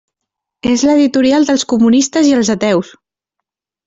És l'editorial dels comunistes i els ateus.